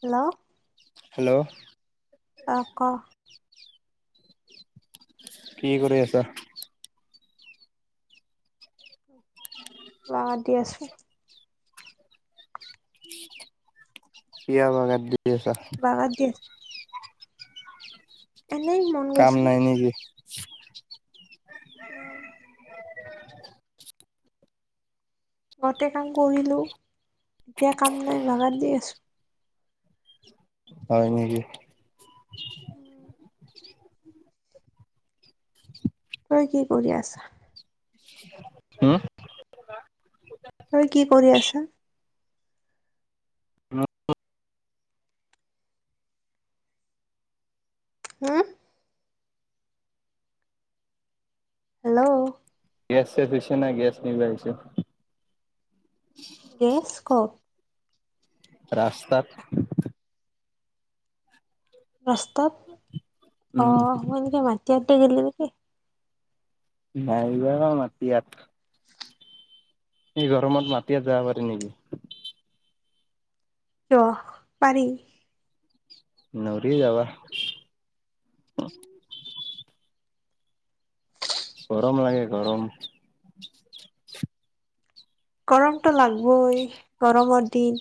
Hello, hello. অ' ক? কি কৰি আছা? বাগৰ দি আছো। কিয় বাগাৰ দি আছা? বাগৰ দি আছো এনেই মন কাম গৈছে নাই নেকি? নাই। ঘৰতে কাম কৰিলো এতিয়া কাম নাই বাগাৰ দি আছো। হয় নেকি? উম। তই কি কৰি আছা? উম, তই কি কৰি আছা? উম, হ'ম হেল্ল'। গেছ শেষ হৈছে না গেছ নিব আহিছো। গেছ, কত? ৰাস্তাত। ৰাস্তাত উম। অ' মই এনকে মাট দিয়াতে গেলে নেকি? নাই বা মাতি ইয়াত এই গৰমত মাটিয়ে যাবা পাৰি নেকি? কিয় পাৰি। নৰি যাবা। গৰম লাগে গৰম। গৰমতটো লাগবই গৰমৰ দিন।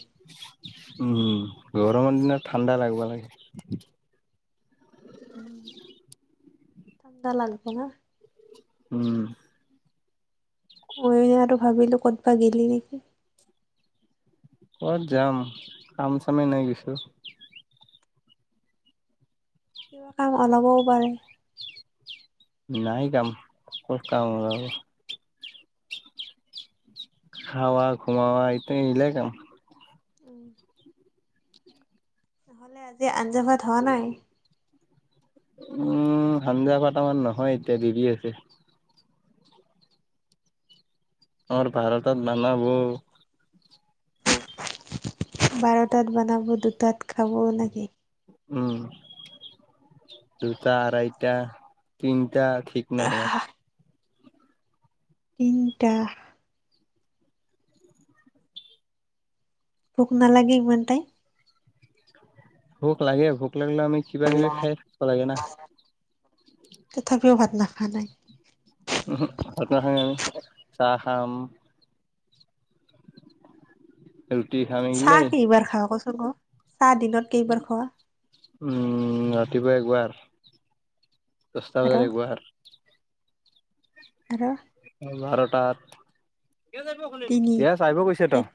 উম, গৰমৰ দিনত ঠাণ্ডা লাগিবা লাগে। ঠাণ্ডা লাগিব না। উম। মই ইয়াটো ভাবিলো ক'তবা গেলি নেকি? কত যাম কাম চামেই নাই কিছো। কিবা কাম ওলাবও পাৰে। নাই কাম কত কাম ওলাব। খাৱা ঘোমোৱা এইতা আইগিলা কাম উম, নহলে আজি আঞ্জাভাত হোৱা নাই। উম, সানঞ্জা কটামান নহয় এতিয়া দেৰি আছে। ম ভাৰতত বানাবো। বাৰটাত বনাব দুটাত খাব নেকি? উম, দুটা আহেইটা তিনিটা এতিয়া ঠিক নাই আমাৰ। তিনটা ভোক নালাগে ইমান টাইম? ভোক লাগে ভোক লাগিলে আমি কিবা কিবি খাই থাকিবা লাগে না। ভালে, ওহোঁক ভাত নাখাওঁ আৰু চাহ খাম উ [unintelligible] চাহ কি এইবাৰ খা কচোন ক? চাহ দিনত কেইবা খোৱা ৰাতিপুৱা একবাৰ, দহটা আৰু বজাত একবাৰ, আৰু ভাৰতাত তিনি এয়া চাই কৈছে তো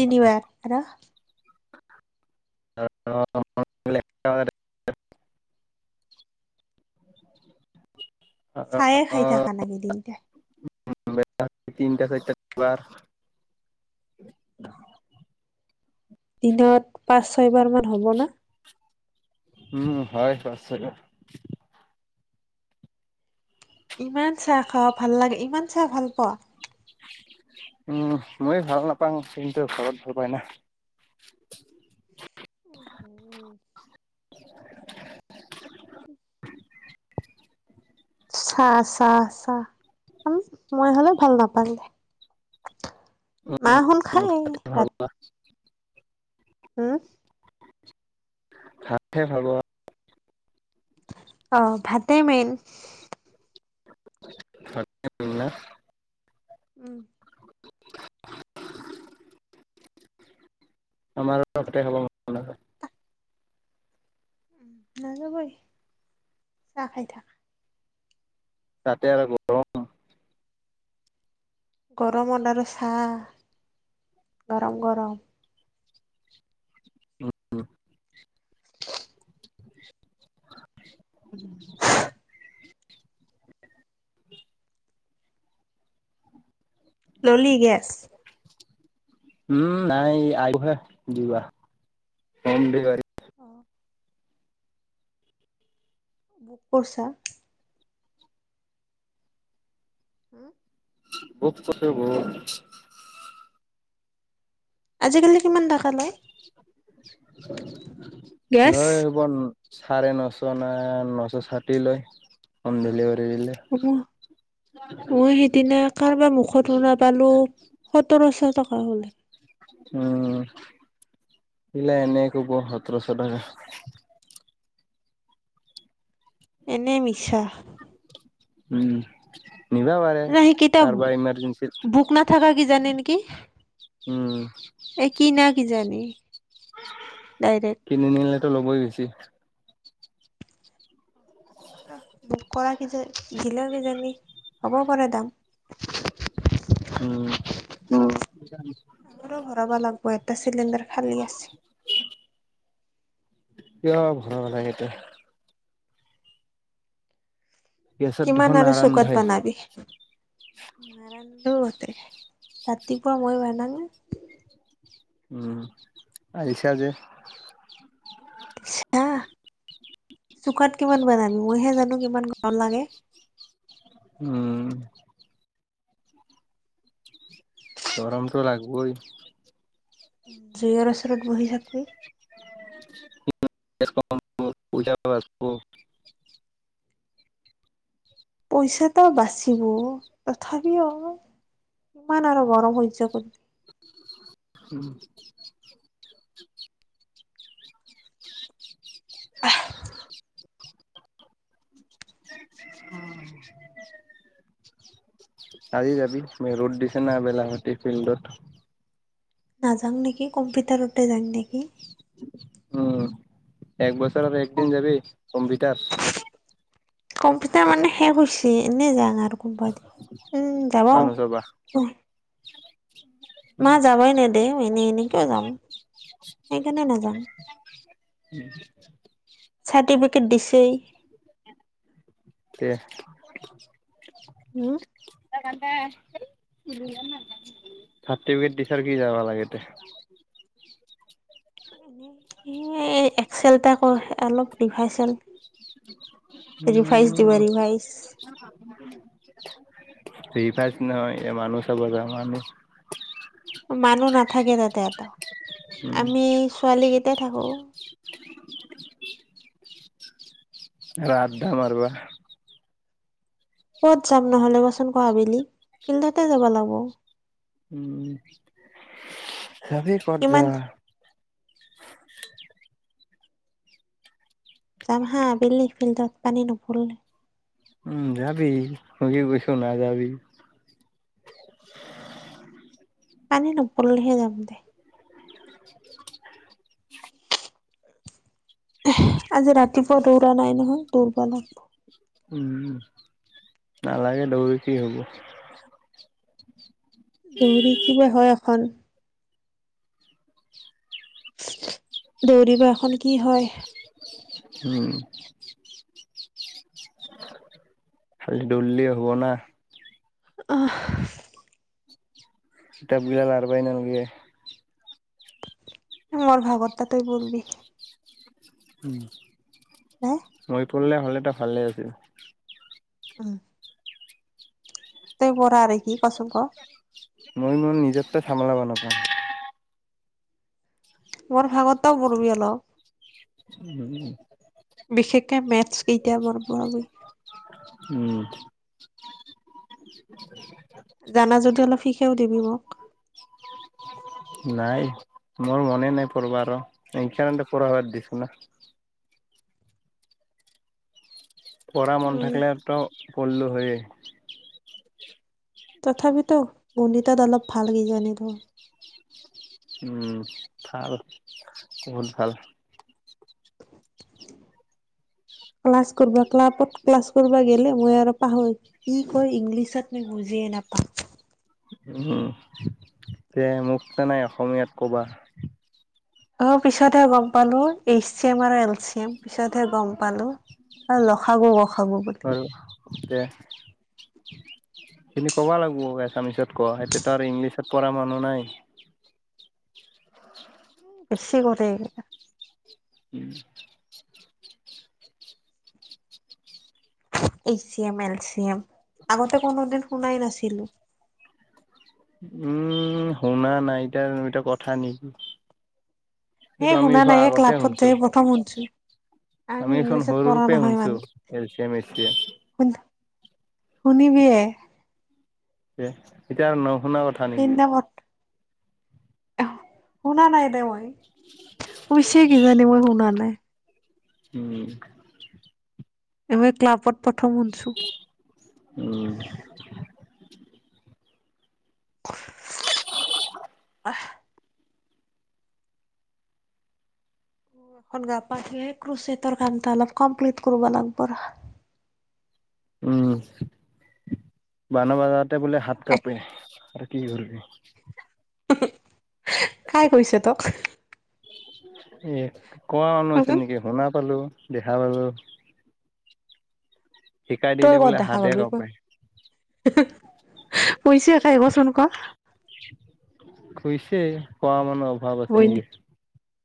তিনিিবাৰ হ অকাৰ চায়ে খাই থাকা নকি তিনিটাই তিনিটা চৈ বাৰ দিনত পাঁচ ছয়বাৰ মান হ'ব না উম হয় হয় চ ইমান চাহ খাওঁ ভাল লাগে ইমান চাহ ভাল পোৱা উম মই ভাল নাপাওঁ কিন্তু ঘৰত ভাল পাই না উ উম উম চা চা চা মই হলেও ভাল নাপালে মাহ হল খাই ভাল ৰাতি হা ভাতে ভাল আহ ভাতে মেইন [unintelligible] উম [unintelligible] আমাৰ হতে হ'ব ম নহয় উম নাযাবই চাহ খাই থাকা তাতে আৰু গৰম গৰমত আৰু চাহ গৰম গৰম অ উ ললি গেছ উম নাই আগুৱ যা হম ডেলিভাৰ অ' বুক কৰিছা হা বহত কছে গ আজিকালি কিমান কা লয় গেছ নৈ বন চাৰে নশ ন নশ ষাঠি লৈ হমদেলিভাৰী অ মই সিদিনা কাৰোবাৰ মুখত শুনা পালো সোতৰশ টকা হলে উম [inaudible] সিলা এনে কব সতশটকা এনেই মিছা [inaudible] উম [inaudible] নাই কিতয়া কাৰোবাৰ ইমাৰ্জেঞ্চিত ভোক নাথাকা কি জানে নেকি উম এক কি না কিজানি ডাইৰেক্ট কিনি নিলেতো লবোই বেছি বুক কৰা কিজ দিলেও কিজানি হ'ব পাৰে দাম উম [inaudible] আমাৰো ভৰাবা লাগব এটা চিলিণ্ডাৰ খালী আছে কিয় ভৰাব লাগে এতিয়া গেছত কিমান দেখোন আৰু চুকাত নাৰান্ধাই বনাবি [inaudible] সতে ৰাতিপুৱা মই বনাম না [inaudible] উম আছা যে [inaudible] ইচ্ছা [unintelligible] চুকাত কিমান বানাবি মইহে জানো কিমান ঘৰ লাগে, উম। গৰমটো লাগিবই। জুইৰ ওচৰত বহি থাকো। পূজা পইচাটো বাচিব তথাপিও। ইমান আৰু গৰম সহ্য কৰিম। উম। [inaudible] আজি যাবি ৰ'দ দিছে না বেলাভেতি ফিল্ডত। নাযাওঁ নেকি কম্পিউটাৰতে যাওঁ নেকি? উম এক বছৰ আৰু একদিন যাবি কম্পিউটাৰ। কম্পিউটাৰ মানে শেষ হৈছে এনেই যাওঁ আ কোনোবা এদিন যাব। মানুহ চাবা মা যাবই নেদেয়ে এনেই এনেই কিয় যাম সেইকাৰণে নাযাম। উম। চাৰ্টিফিকেট দিছে। [unintelligible] উম। [unintelligible] চাৰ্টিফিকেট দিছে যদি যাব লাগে দে। এ একচেলটা অলপ ৰিভাইচেল হ'ল। উম ৰিভাইজ ৰিফাজ নহয় এ মানুহ চাব যাম আমি। মানুহ নাথাকে তাতে এটা উম আমি ছোৱালীকেইটাই থাকোঁ। ৰাধা মাৰিবা। ক'ত যাম নহ'লে কচোন ক' আবেলি ফিল্ডতে যাবা লাগব। উম, যাবি ক'ত কিমান যোৱা। [inaudible] যাম হা আবেলি ফিল্ডত পানী নুপুৰিলে। উম, যাবি সজি কৈছো নাযাবি। উহ। পানী নপৰলেহে যাম দে। আজি ৰাতিপুৱা দৌৰা নাই নহয়, দৌৰিবা লাগব'। উম, নালাগে দৌৰি কি হ'ব। দৌৰি কিবা হয় এখন। দৌৰিবা এখন কি হয়? উম। খালি ডলডিয়ে হ'ব না। অহ। কিতাপ গিলা লাৰবাই নালগে। মোৰ ভাগৰটা তই পঢ়বি। উম। [unintelligible] কৰিলে হ'লে এটা ভালে আছিল। অহ। তই বৰা আৰু কি কচু ক'। মই ইমান [unintelligible] মোৰ ভাগটোও [unintelligible] অলপ। উম বিশেষকে মেথছ কেইটা [unintelligible] উম' [unintelligible] জানা যদিও অলপ শিকায় দিবিও মোক। নাই মোৰ মনে নাই [unintelligible] পবা আৰু এইকাৰণতে প সাত দিছো ন পঢ়া মন উম থাকিলেতো পঢ়িলোঁ হয়েই। তথাপিতো গন্দিতাত অলপ ভাল কিজানিলো [unintelligible] উম 'ভাল, বহুত ভাল [unintelligible] ক্লাছ কৰা, ক্লাবত ক্লাছ কৰিব গেলে মই আৰু পাহৰি কি কয়, ইংলিছত মই বুজিয়ে নাপাওঁ। নাপা [unintelligible] উ' দে মোক মানে অসমীয়াত ক'বা। অ' পিছতহে গম পালো এইচি এম আৰু এল চি এম পিছতহে গম পালো। অ' লখাব আৰুক [unintelligible] এখিনি ক'বা লাগিব আচ্ছামেষ্ট কোৱা, সেইটোতো আৰু ইংলিছত পঢ়া মানুহ নাই। বেছি কৰে [inaudible] এই C M L C M আগতে কোনো দিন শুনাই নাছিলো। [unintelligible] উ শুনা নাই, এতিয়া এয়া কথা নেকি সেইটো এই আমি শুনা খোৱা নাই এই আগতে ক্লাবত শুনিছো যাই প্ৰথম শুনছো [unintelligible] আমি আমিচোন ইংলিছত পঢ়া সৰুপৰাই নহয় শুনছো মানে এল [unintelligible] চাম এ শুনিবিয়ে, এতিয়া আৰু নশুনা কথা নেকি [unintelligible] সেইদিনা পত শুনা নাই দে মই কৈছে কিজানি মই শুনা নাই। নাই উম' এইবাৰ ক্লাবত প্ৰথম শুনিছোঁ। উম [unintelligible] ৱাহ, এখন গা পা ধুই ক্ৰুচটৰ কামটা অলপ কমপ্লিট কৰিব লাগিব উম, বানৰ বজাৰতে বোলে হাত কাপোৰ আৰু কি কৰিবি। কাই কৈছে তক এ কোৱা মানুহ আছে কচোন নেকি শুনা পালো দেখা পালো শিকাই তই দিলে ক'ত বোলে দেখা হাতে পাবি ক কাঁপে পইচে আহিবচোন কোৱা কুইছে কোৱা মানুহ অভাৱ আছে নেকি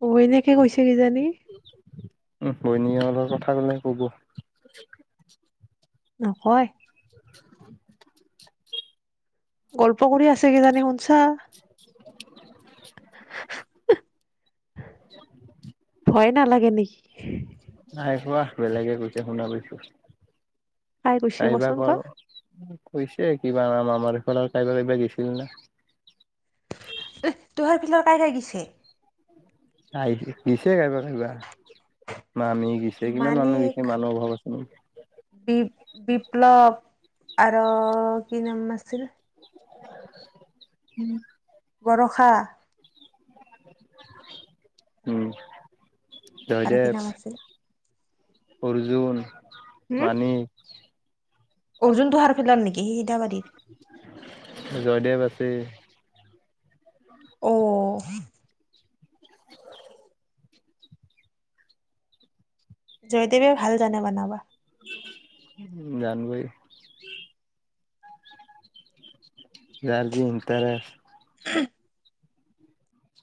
অ এনেকে কৈছে কিজানি উ বৈনীয়েৰ কথা কলে কব। নকয় [inaudible] গল্প কৰি আছে কি জানি শুনছা [inaudible] ভয় নালাগে নেকি? নাই কোৱা বেলেগে কৈছে শুনা পাইছোঁ। কাই কৈছে চাইবা কচোন ক কৈছে কিবা নাম [unintelligible] গৈছিল না। এ তোহাৰ ফিল্লৰ কাইৰে গৈছে। [unintelligible] মামি গৈছে কিমান মানুহ মানিক গৈছে মানুহৰ অভাৱ আছে নেকি। বি বিপ্লৱ আৰু কি নাম আছিল? [unintelligible] বৰষা? উম। আৰু কি জয়দেৱ নাম আছিল? অৰ্জুন, হুম মানি। অৰ্জুন তোহাৰ ফালৰ নিকি সি হিদাবাদীৰৰ? উম। ঔ। জয়দেৱে ভাল জানে বনাব। জানবৈ। গাৰ দি এ তাৰে